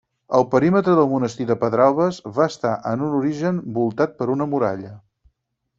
El perímetre del monestir de Pedralbes va estar en un origen voltat per una muralla.